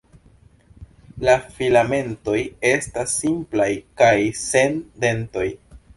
La filamentoj estas simplaj kaj sen dentoj.